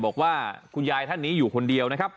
บอกว่าคุณยายท่านนี้อยู่คนเดียวนะครับ